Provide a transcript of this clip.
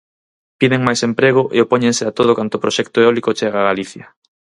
Piden máis emprego e opóñense a todo canto proxecto eólico chega a Galicia.